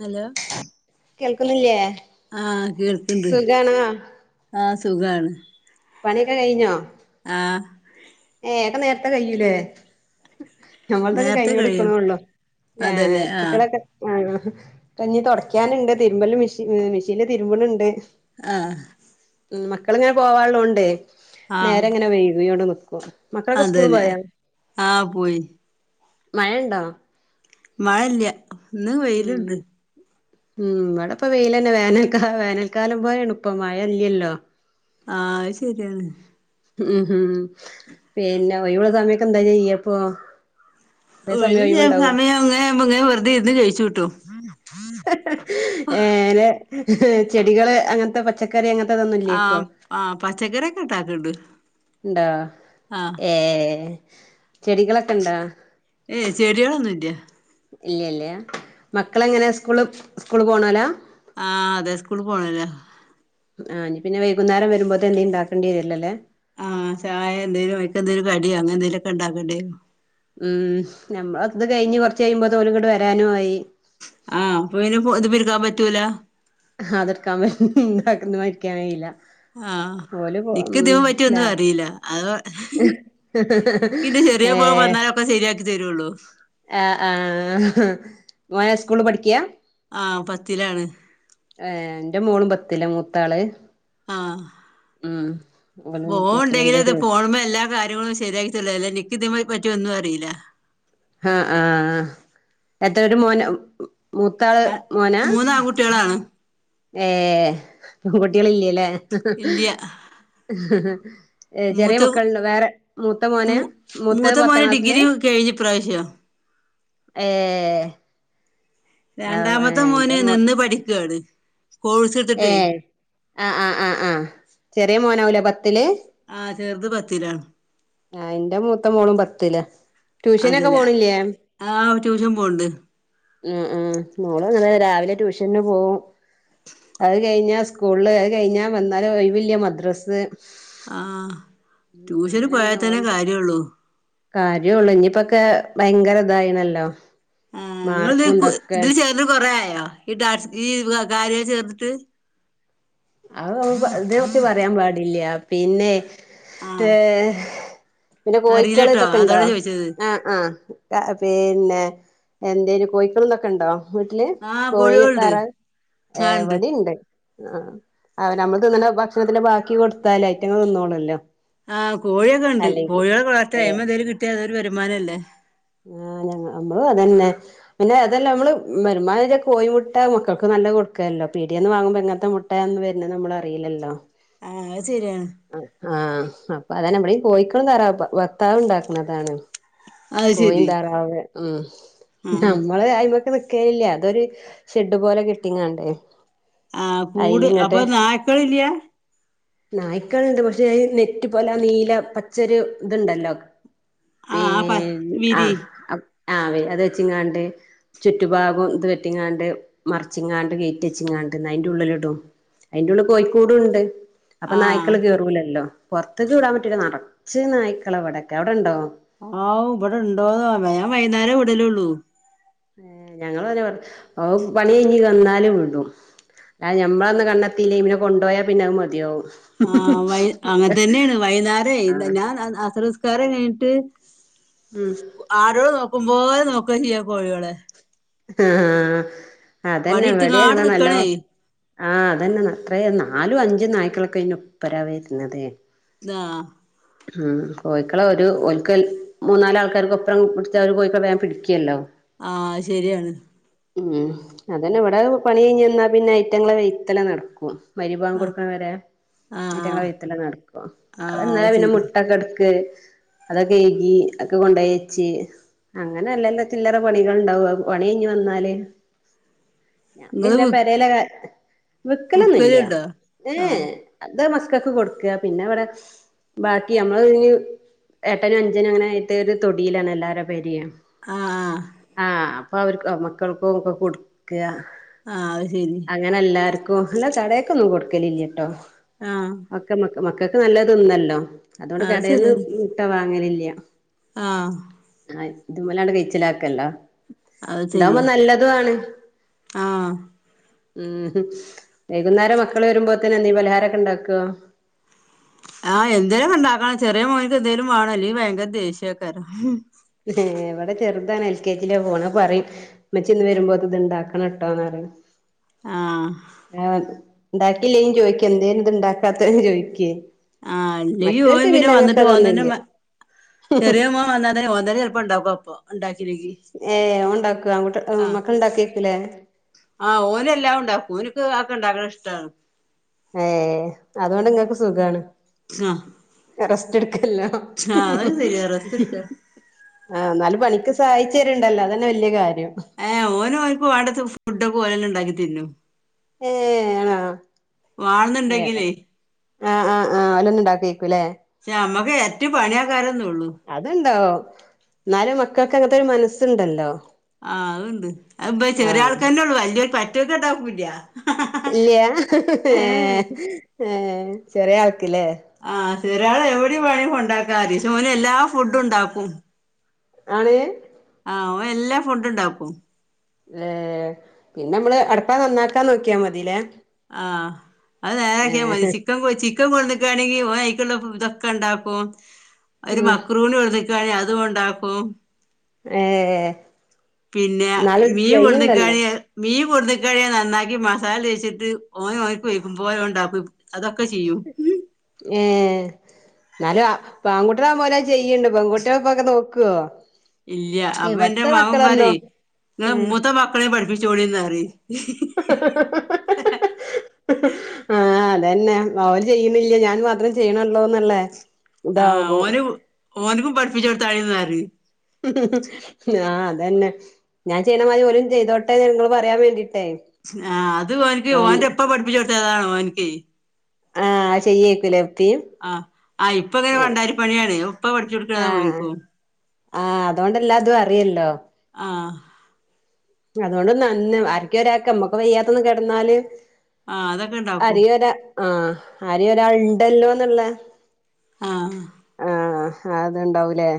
Hello കേൾക്കുന്നില്ലേ ആഹ് കേൾക്ക്ണ്ട് സുഖാണോ ആഹ് സുഖാണ്. പണിയെക്കെ കഴിഞ്ഞോ? ആഹ് വേകം നേരത്തെ. കയൂലെ.. ഞങ്ങൾതൊക്കെ നേരത്തെ കഴിഞ്ഞേണ്ട് കഴിയും നിക്ക്ണെള്ളൂ ഏ... അതല്ലേ ആഹ് കുട്ടിഏളൊക്കെ ആം ഇനി തെടയ്ക്കാന്ണ്ട് തിരുമ്പല് മിഷീൻ ഏ.. മെഷീൻല്തിരുമ്പണണ്ട് ആഹ് മക്കളിങ്ങനെ പോവാനുള്ളോണ്ട് ആഹ് നേരെങ്ങനെ വൈകിയോണ്ട് നിക്കും. മക്കളൊക്കെ സ്കൂള് അതന്നെ പോയോ, ആഹ് പോയി മഴ ഇണ്ടോ? മഴല്ല. ഇന്ന് വെയില്ണ്ട്. ഉം ഇവിടെ ഇപ്പ വെയിലെന്നെ. വേനൽക്കാ.. വേനൽക്കാലം പോലേണ്പ്പൊ മഴ ഇല്ലല്ലോ. ആഹ് അത് ശെരിയാണ്. ഉം ഹും പിന്നെ ഒയിവുള്ള സമയത്തെന്താ ചെയ്യപ്പൊ? ഒഴിവില്ല്യ. സമയം ഇങ്ങനാവുംബോ ഇങ്ങനെ വെറുതെ ഇരുന്ന് കെയിച്ച് കൂട്ടും ഹ്... ഹ് ഏ നെ ചെടികള് അങ്ങൻത്തെ പച്ചക്കറി അങ്ങൻ ആം ആം.. പച്ചക്കറിയൊക്കെ ണ്ടാക്ണ്ട്. ഉണ്ടോ ഏ... ചെടികളൊക്കെണ്ടാ? ഏയ് ചെടികളൊന്നുല്ല്യ. ഇല്ല്യല്ല്യ. മക്കളെങ്ങനെ സ്കൂൾ സ്കൂളിൽപോണോലാ? ആഹ അതെ സ്കൂൾ പോണോലാ ആ ഇഞ്ഞ് പിന്നെ വൈകുന്നേരം വരുമ്പോത്തിന് എന്തെലും ഇണ്ടാക്കെണ്ടിവരൊല്ലൊ ലേ ആഹ് ചായ എന്തേലും അയ്ക് എന്തേലും കടിയാ അങ്ങനെ എന്തേലൊക്കെ ഉണ്ടാക്കെണ്ടേരും. ഉം നമ്മളെ ഔത്ത്ത്തെ കഴിഞ്ഞ് കൊർച്ച് കയുംമ്പോത്തിന് ഓല് ഇങ്ങട്ട് വരാനും ആയി ആഹ അപ്പൊ പിന്നെ ഫോ ഇതിന്മെ ഇരിക്കാൻ പറ്റൂല. [unintelligible] ആ ഓല് പോ ഇക്ക് ഉം ഇതിമെപറ്റി ഒന്നു ലാ അറീല അത ഇക്ക് ചെറിയ മോ ഏ വന്നാലൊക്കെ സെരിയാക്കി തെരുഒള്ളൂ ആ ആ മോന് സ്കൂള് പഠിക്യ ആ പത്തിലാണ് ഏ എന്റെ മോളും പത്തില മൂത്താള് ആ ഉം ഓലും ഫേൺണ്ടെങ്കില് പത്തിലെന്റെ ഇത് ചോ ഫോൺമേല്ല കാര്യങ്ങളും സെരിയാക്കിത്തെര്ല അല്ലാ ഇനിക്കിതിമേ പ ഒന്നു അറീല ആ ആ എത്രെ ഒരു മോന് മൂത്താള് മോനാ മൂന്ന് ആൺകുട്ടികളാണ് ഏ പെങ്കുട്ട്യേളില്ല്യാ ലേ ഇല്ല്യ ഏ ചെറിയേ മൂത്ത മക്കള്ണ്ടേ വേറെ മൂത്തേ മോനാ മൂ മൂത്തേ മൂത്ത പത്താം മോന് ക്ലാസ്സില് ഡിഗ്രി കഴിഞ്ഞ് ഇപ്രാവശ്യം ഏ രണ്ടാമത്തെ മോന് നിന്ന് പഠിക്കാണ് കോഴ്സ് ഏ എടുത്തിട്ടേ ആ ആ ആ ആ ചെറിയെ മോനാവുലേ പത്തില് ആ ചെർത് പത്തിലാണ് ആ ഇന്റെ മൂത്തമോളും പത്തിലാ ട്യൂഷനൊക്കെ അതേലെ പോണില്ലേ ആഹ് ട്യൂഷൻ പോണ്ട് ഉം ഉം മോള് അങ്ങനെ രാവിലെ ട്യൂഷന്ന് പോവും അത് കഴിഞ്ഞാ സ്കൂള്ള് അത് കയ്ഞ്ഞാ വന്നാല് ഒഴിവില്ല മദ്രസ്സ് ആ ടൂഷൻ അങ്ങനങ്ങനെ ഓൽത് കാര്യോള്ളൂ ഇനിപ്പൊക്കേ ഭയങ്കര ഇതായിണല്ലോ ആ ഇങ്ങൾത് മാർക്കും ഇതൊക്കെ ഇതില് ചേർന്ന്ട്ട് കൊറേ ആയേ ! ! ! ! ! ! ! ! ! ! അ [unintelligible] ഇതിനെ കുറിച്ച് പറയാപാടില്യ പിന്നെ ഏ ആഹ് പിന്നെ കോയിക്കള് അറിയില്ലട്ടോ ഇതൊക്കെണ്ടോ അതോണ്ടാ ചോദിച്ചത് ആ ആ പിന്നെ എന്തേനു കോയിക്കളു ഇതൊക്കെണ്ടോ വീട്ടില് ആഹ് കോയി കോഴികളുണ്ട് താറാവ് ഏ ആണ്ട് ഇവടീണ്ട് ആ ആ ഞമ്മൾ തിന്ണ ഭക്ഷണത്തിന്റെ ബാക്കി കൊടുത്താൽ ഐറ്റങ്ങൾ തിന്നോളല്ലോ ആ കോഴിയൊക്കെണ്ട് കോഴിയോളെ വളർത്തിയാ ഏഹ് അയ്മെന്തേലുങ്കിട്ട്യ അതൊരു വരുമാനല്ലേ ആ ഞ മ്മളു അതന്നെ പിന്നേ അതെല്ല മ്മള് വരുമാനളെ കോയിമുട്ട മക്കൾക്ക് നല്ല കൊ കൊടുക്കല്ലോ പീടിയന്ന് വാങ്ങുമ്പോ എങ്ങത്തെ മുട്ടയാന്ന് വെര്നേന്ന് അമ്മളറിയില്ലല്ലോ ആഹ് അത് ശരിയാണ് ആ അപ്പതന്നെ അമ്മളീ കേയികളും താറാവും ഇപ്പം വർത്താവ്ണ്ടാക്ക്ണതാണ് അത് കോയിം ശരി താറാവ് ഉം ആഹ് ഞമ്മള് അയ്മക്ക് ന് ക്കേലില്യ [unintelligible] അതൊര് ഷെഡ് പോലെ കെട്ടിങ്ങാണ്ടേ ആ കൂട് അപ്പൊ നായക്കളില്ല നായ്ക്കള്ണ്ട് പക്ഷെ നെറ്റ് പോലെ നീല പച്ചരു ഇത്ണ്ടല്ലോ ആ ആപ്പ ആ ആ അത് വെച്ചിങ്ങാണ്ട് ചുറ്റുഭാഗും ഇത് കെട്ടിങ്ങാണ്ട് മറച്ചിങ്ങാണ്ട് ഗേറ്റ് വേച്ചിങ്ങാണ്ട് അതിന്റെ ഉള്ളിൽ ഇടും അയിന്റ ഉള്ള്ൽ കോയിക്കൂടുണ്ട് അപ്പൊ ആഹ് നായ്ക്കള് കേറൂലല്ലോ പൊർത്ത്ക്ക് വിടാം പറ്റുല നറച്ച് നായ്ക്കളവടെക്കെ അവടെണ്ടോ ഇവിടെണ്ടോന്നോ [unintelligible] ഞാൻ വൈന്നേരേ വിടലേള്ളൂ ഏ ഞങ്ങള് അതേ പോലെ ഓൻ പണി കയ്ഞ് വന്നാല് വിടും [unintelligible] ഞമ്മളൊന്ന് കണ്ണേത്തിലേൽ പിന്നെ കൊണ്ടോയാ പിന്നെ അത്‌ മതിയാവു ആ വൈ അങ്ങൻതന്നേണ് വൈന്നാരേ ആഹ് ഞാൻ അസ്റ്സ്കാര കയ്ഞ്ട്ട് ഉം ആടാളെ നോക്കുമ്പോലെ നോക്ക ചെയ്യ കോയാളെ ആ അതെന്നെ ഇവടീ എടുത്തങ്ങാട് അങ്ങനെന്നെ നല്ലോ നിക്കണേ ആ അതന്നെ മക്കളെ നാലും അഞ്ചും നായ്ക്കളൊക്കെനൊ പ്പരാ വരുന്നത് ആഹ ഉ കോഴിക്കളെ ഒരു ഒൽക്ക് മൂന്നാല് ആൾക്കാരോപ്പരം പിടിച്ച ഒരോ കോഴിക്കളെ വേം പിടിക്കല്ലോ ആഹ ശരിയാണ് ഉം അതന്നെ ഇവിടെ പണി കഴിഞ്ഞ് വന്നാ പിന്നെ ഐറ്റങ്ങളെ വെയിത്തലെ നടക്കും. മഗ്രിഭാംഗ് ആ കൊടുക്ക്ണ വരെ ആ ആ ഇറ്റങ്ങളെ വൈത്തലെ നടക്കും. ആ അ എന്നാ അത് പിന്നെ ശരി മുട്ടക്കെടുക്ക് അതൊക്കെ കഴുകി, അഒക്കെ കൊണ്ടെയച്ച് അങ്ങനെ അല്ലറ ചില്ലറ പണികൾ ഉണ്ടാവും പണിയിഞ്ഞ് വന്നാല് ഞാൻ നിങ്ങള് പിന്നെ വി പെരേലെ വിക്കലൊന്നൂല്ല വിക്കലുണ്ടോ ഏ ആ ഏ അത ക്കൾക്ക് കൊടുക്ക, പിന്നെ അവിടെ ബാക്കി നമ്മള് ഇ എട്ടനും അഞ്ചനും അങ്ങനായിട്ട് ഒരു തൊടീലാണ് എല്ലാരെ പെരിം. ആ ആ അപ്പം അവർക്ക് മക്കൾക്കും ഒക്ക കൊടുക്കുക ആഹ അത് ശരി ഓ അല്ല കടേക്കൊന്നും കൊട്കലില്ല്യട്ടോ ആഹ് മക്കൾക്ക് നല്ലതൊന്നല്ലോ അതുകൊണ്ട് കടേന്ന് മുട്ട വാങ്ങലില്ല. ആഹ് ആ ഇതിമ്മലാണ് കയ്ച്ചിലാക്കല്ലൊ അത് ഇതാകുമ്പോ ശരിയാ നല്ലതു ആണ്. ആ ഉം ഹും. വൈകുന്നേരം മക്കള് വരുമ്പോത്തിന് എന്തേം പലഹാരൊക്കെ ഉണ്ടാക്കോ? ആ എന്തേലും ഉണ്ടാക്കണം ചെറിയ മോൻക്ക് എന്തേലും വേണം അല്ലെങ്കി ഭയങ്കര ദേഷ്യേക്കാരം. ഏ ഇവിടെ ചെറുതാണ് എൽ കെ ജിലെ പോണെ പറിം മ്മച്ചി ഇന്ന് വരുമ്പോ ഇത് ഇണ്ടാക്കണം ട്ടോന്ന് പറിം. ആ [unintelligible] ആ ഉണ്ടാക്കില്ലെ ചോയ്ക്കു എന്തേ ഇന്ന് ഇണ്ടാക്കാത്തേന്ന് ചോയ്ക്കേ ആ നീ പോയി പിന്നെ വന്നിട്ട് പോന്നെ അങ്ങനത്തെതൊന്നുല്ല ചെറിയ മോൻ വന്നാ തന്നെ ചെലപ്പണ്ടാക്കപ്പൊ ഉണ്ടാ ഏ ഓൻ ഉണ്ടാക്കോ ആങ്കുട്ടി ആഹ് മക്കള് ഇണ്ടാക്കെയ്ക്കുലെ? ആഹ് ഓനെല്ലാം ഉണ്ടാക്കും. ഓന്ക്ക് അതൊക്കെ ഇണ്ടാക്ക്ണ ഇഷ്ടാണ്. ഏ അതോണ്ട് ഇങ്ങക്ക് സുഖാണ്. അ റെസ്റ്റ് എടുക്കല്ല റെസ്റ്റ് എടുക്ക ആഹ് എന്നാല് പണിക്ക് സഹായിച്ചുരുണ്ടല്ലോ അതന്നെ വല്യ കാര്യം ഏ ഓന് ഓന്ക് വേണ്ട ഫുഡൊക്കെ ഓനന്നെ ഉണ്ടാക്കി തിന്നും ഏ ആണാ വാള്ന്നണ്ടെങ്കിലേ ആഹ് ആ് ആഹ് അലൊന്നുണ്ടാക്കേ നമ്മക്ക് ഏറ്റ പണിയക്കാരൊന്ന ഉള്ളു അത്ണ്ടാവും എന്നാലും മക്കൾക്ക് അങ്ങനത്തെ ഒരു മനസ്സുണ്ടല്ലോ ആഹ് അത് അ ചെറിയ ആഹ് ആൾക്കാരെ ഉള്ളു വലിയൊരു മറ്റോൽക്ക് രണ്ടാക്കൂല്ല ഇല്ല ഏ ഏ ചെറിയ ആൾക്കില്ലേ ചെറിയ ആളെ എവിടെ കൊണ്ടാക്കാ ഓന് എല്ലാ ഫുഡും ഉണ്ടാക്കും ആണ് ആഹ് ഓൻ എല്ലാ ഫുഡ് ഉണ്ടാക്കും ഏ പിന്നെ നമ്മള് അടപ്പാ നന്നാക്കാ നോക്കിയാ മതിലെ ആഹ് അത് നേരക്കിയാ മതി ചിക്കൻ കൊച്ചി ചിക്കൻ കൊട്ന്നക്കുണെങ്കിൽ ഇതൊക്കെ ഉണ്ടാക്കും ഒരു ഉം മക്രൂണി കൊ മക്രുണി അതും ഉണ്ടാക്കും ഏ പിന്നെ മീൻ [unintelligible] മീ [unintelligible] കഴിയ നന്നാക്കി മസാല തേച്ചിട്ട് ഓ ഓന്ക്ക് [unintelligible] പോയൊണ്ടാക്കും അതൊക്കെ ചെയ്യും ഉം ഏഹ് ന്നാലും ആ പ്പ ആൺകുട്ടികൾ ആവുമ്പം ഓലത് ചെയ്യ്ണ്ട് പെൺകുട്ട്യള് ഇപ്പ അത് നോക്കുവോ ഇല്ല്യ അപ്പൊ എന്റെ മകൻ പാറയേ നിങ്ങടെ ഉം മൂത്ത മക്കളെ പഠിപ്പിച്ചോളിന്ന് പറയും [unintelligible] ആഹ് അതന്നെ ഓര് ചെയ്യുന്നില്ല ഞാൻ മാത്രേ ചെയ്യണള്ളോന്നല്ലേ ആഹ് ഓരു ഓനക്കും പഠിപ്പിച്ചടുത്താഴിന്ന് പറയും ആഹ് അതന്നെ ഞാൻ ചെയ്യണമാതിരി ഓരും ചെയ്തോട്ടെ നിങ്ങള് പറയാൻ വേണ്ടിട്ട് സ്നാ അത് ഒനിക്ക് ഓന്റെ ഇപ്പ പഠിപ്പിച്ച് കൊടുത്തതാണ് ഓൻക്കെ ആഹ് ചെയ്യേക്കൂലേ ഇപ്പി ആഹ് ആഹ് ഇപ്പ ദെ വണ്ടാരി പണിയാണ് ഉപ്പ പഠിച്ചു കൊടുക്കണത ആഹ് ഓര്ക്ക് ആഹ് അതുകൊണ്ടല്ലാതും അറിയല്ലോ ആഹ് അതുകൊണ്ട് നന്ന് ആര്ക്കുഒരാക്ക നമ്മക്ക വയ്യാത്തൊന്ന് കെടന്നാല് ആഹ് അതൊക്കെ ഇണ്ടാക്കും ആഹ് [unintelligible] ഒരാൾ ഉണ്ടല്ലോന്നുള്ള ആഹ് ആഹ് അത് ഉണ്ടാവൂലേ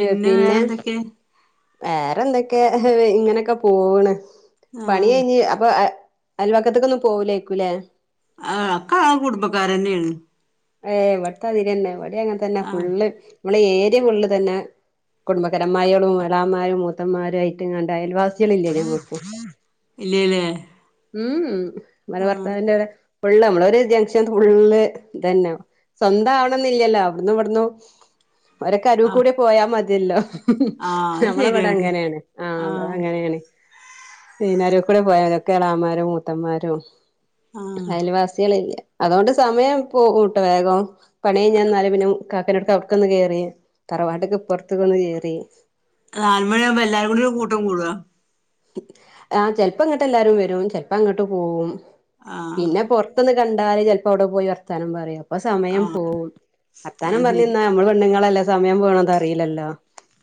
ഏഹ് പിന്നെ വേറെന്തൊക്കെ ഇങ്ങനെയൊക്കെ പോണ് പണി ആഹ് കയിഞ്ഞു അപ്പൊ അയൽവക്കത്തേക്കൊന്നും പോവില്ലേരിക്കൂല്ലേ ആഹ് ഒക്കാ കുടുംബക്കാരന്നെയാണ് ഏഹ് ഇവിട്ത്തെ ആതിരെന്നെ ഇവിടെ അങ്ങനെ തന്നെ ആഹ് ഫുള്ള് നമ്മളെ ഏരിയ ഫുള്ള് ഇതെന്നെ കുടുംബക്കരമ്മായികളും എളാമാരും മൂത്തന്മാരും ആയിട്ട് ഇങ്ങാണ്ട് അയൽവാസികളില്ലേ ഞമുക്ക് ഇല്ല്യ ല്ലേ ഉം മ്മടെ ഭർത്താവിറെകൂടെ ഫുള്ള് നമ്മളൊ ഒരു ജംഗഷൻ ഫുള്ള് തന്നെ സ്വന്തം ആവണം എന്നില്ലല്ലോ അവിടന്ന് ഇവിടന്ന് ഒരൊക്കെ ആഹ് അരുവിക്കൂടി പോയാൽ മതി അതല്ലോ ആഹ് അത് നമ്മളെവിടെ ശരിയാണ് അങ്ങനെയാണ് ആഹ് ഇവടെ അങ്ങനെയാണ് [unintelligible] കൂടെ പോയതി ഒക്കെ എളാമാരും മൂത്തമ്മാരും ആഹ് അയൽവാസികളില്ല അതൊണ്ട് സമയം പോകുട്ട വേഗം പണി കയ്ഞ്ഞെന്നാല് പിന്നെ കാക്കനോട്ക്ക് അവ്ട്ക്കൊന്ന്കേറി തറവാട്ട്ക്ക് ഇപ്പൊർത്ത്ക്ക് ഒന്ന് ഏറി ആ നാലുമണി ആവുമ്പോ എല്ലാരും കൂടി ഒരു കൂട്ടം കൂടോ ആ ചെൽപ്പങ്ങോട്ട് എല്ലാരും വരും ചെൽപ്പ അങ്ങോട്ട് പോവും ആഹ് പിന്നെ പൊർത്ത്ന്ന് കണ്ടാല് ചെൽപ്പോ അവ്ടെ പോയി വർത്താനം പറയും അപ്പൊ സമയം ആഹ് പോവും അത് വർത്താനം ശരി പർഞ്ന്നാ നമ്മള് പെണ്ണുങ്ങളല്ലേ സമയം പോണതറിയില്ലല്ലോ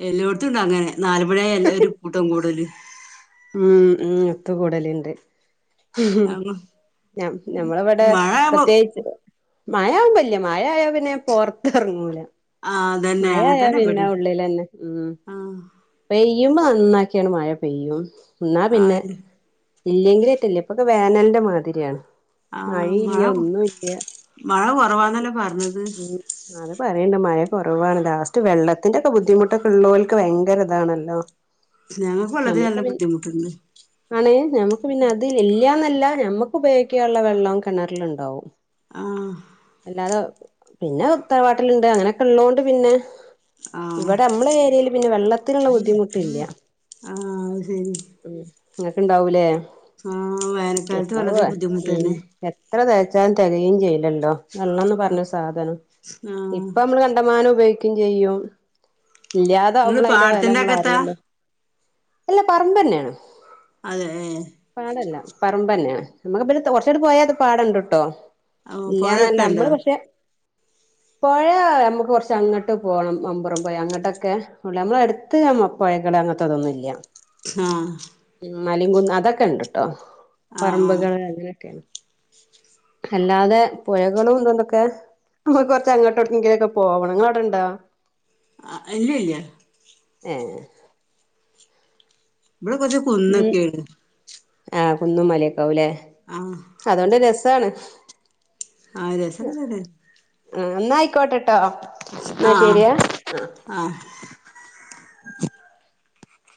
എല്ലോട്ത്തുണ്ട് അങ്ങനെ നാല് മണി ആയാ എല്ലാരും കൂട്ടം കൂടല് ഉം ഉം ഒത്ത് കൂടല്ണ്ട് ഞ ഞമ്മളവടെ മഴ ആവുമ്പോ പ്രത്യേകിച്ച് മഴാവുമ്പ ഇല്ല്യ മഴായാ പിന്നെ ഞാൻ പൊർത്തെർങ്ങൂല ആഹ് അതന്നെ അങ്ങനെ മഴായാ തന്നെ പിന്നെ ഇബടേം ഉള്ളിലന്നെ ഉം ആഹ് പെയ് പെയ്യുമ്പോ നന്നാക്യാണ് മഴ പെയ്യും എന്നാ പിന്നെ ആഹ് ഇല്ലെങ്കിലേറ്റല്ല്യ ഇപ്പൊക്കെ വേനൽന്റെ മാതിരിയാണ് ആഹ് മഴിം മഴ ല്ല്യാ ഒന്നും ല്ല്യാ മഴ കുറവാന്നല്ലേ പറഞ്ഞത് ഉം [unintelligible] പറയിണ്ട് മഴ കുറവാണ്. ലാസ്റ്റ് വെള്ളത്തിന്റെ ഒക്കെ ബുദ്ധിമുട്ടൊക്കെ ഉള്ളോൽക്ക് ഭയങ്കര ഇതാണല്ലോ. ഞങ്ങൾക്ക് വെള്ളത്തിന് നമുക്ക് നല്ല പിൻ ബുദ്ധിമുട്ടുണ്ട് [unintelligible] നമ്മുക്ക് പിന്നെ അത് ഇല്ല്യാ ന ല്ലാ ഞമ്മക്ക് ഉപയോഗിക്കാള്ള വെള്ളം കിണറിലിണ്ടാവും. ആഹ് അല്ലാതെ പിന്നെ തറവാട്ടിലുണ്ട് അങ്ങനെ, ള്ളോണ്ട് പിന്നെ ആഹ് ഇവിടെ മ്മള ഏരിയല് പിന്നെ വെള്ളത്തിന്ള്ള ബുദ്ധിമുട്ട് ഇ ല്ല ആഹ് അഹ് ശെരി. അങ്ങക്കെ ഇണ്ടാവൂലേ വേനൽക്കാലത്ത് വെള്ളത്തിന് ബുദ്ധിമുട്ട് ഉം തന്നെ എത്ര തേചാലു ൻ തികയും ചെയ്ലല്ലോ വെള്ളന്ന് പറഞ്ഞ സാധനം. ആഹ് മാനം ഉപയോഗിക്കും ചെയ്യും നിങ്ങള് ഇല്ലാതാവുമ്പോൾ അതിന്റെ വെല പാടത്തിന്റെ നമ്മള് അകത്താ അറിയുള്ളു. എല്ലാ പറമ്പ് തന്നെണ്. അതെ ഏ. പറമ്പെന്ന്യാണ് നമ്മക്ക് കൊറച്ചാണ്ട് പോയാ പിന്നെ പാടണ്ട്ട്ടോ ഏഹ് പുഴയൊക്കെ ഉണ്ടോ നമ്മള് പക്ഷെ പാ. ഴയ നമക്ക് കുറച്ച് അങ്ങട്ട് പോണം മമ്പുറം പോയ അങ്ങട്ടൊക്കെ നമ്മള എടുത്ത് ഞ പുഴകടവ് അങ്ങത് അതൊന്നു ഇല്ല. ആഹ്. മലി കുന്ന് അതൊക്കെ ഉണ്ട് കേട്ടോ ആഹ് പറമ്പുകൾ അങ്ങനെയൊക്കെണ്. അല്ലാതെ പുഴകളുംണ്ടൊക്കെ നമ്മുക്ക് കുറച്ച്ങ്ങട്ട് എവ്ട്കെങ്കിലൊക്കെ പോവണം ങ്ങള്വ്ടെണ്ടോ? ആ അല്ലല്ല. ഏ. ഇടെ കൊറച് കുന്നൊ കേണ്. ആഹ് കുന്നും മലക്കാവല്ലേ ആഹ് അതോണ്ട് രസാണ്. ആഹ് രസഒക്കെ തന്നെ. എന്നന്നായിക്കോട്ടെട്ടോ. ആഹ് ആഹ്.